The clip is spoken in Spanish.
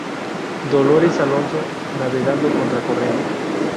Dolores Alonso, navegando contra corriente"